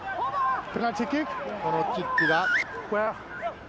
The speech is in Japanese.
このキックが。